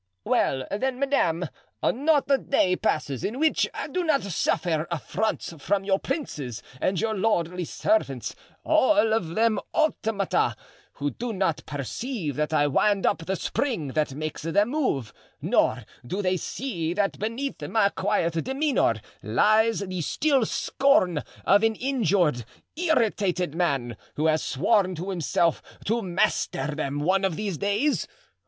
"Well, then, madame, not a day passes in which I do not suffer affronts from your princes and your lordly servants, all of them automata who do not perceive that I wind up the spring that makes them move, nor do they see that beneath my quiet demeanor lies the still scorn of an injured, irritated man, who has sworn to himself to master them one of these days.